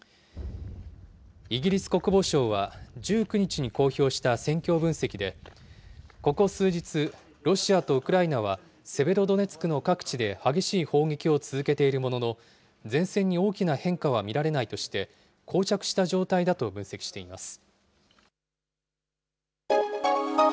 イギリス国防省は、１９日に公表した戦況分析で、ここ数日、ロシアとウクライナはセベロドネツクの各地で激しい砲撃を続けているものの、前線に大きな変化は見られないとして、こう着した状態だと分析しています。